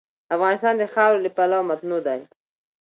افغانستان د خاوره له پلوه متنوع دی.